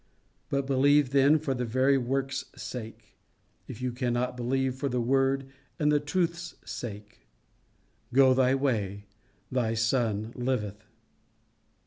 But believe then for the very work's sake, if you cannot believe for the word and the truth's sake. Go thy way, thy son liveth."